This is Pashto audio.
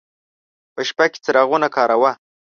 په شپه کې څراغونه کاروه.